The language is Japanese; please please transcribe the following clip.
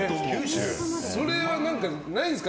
それはないんですか？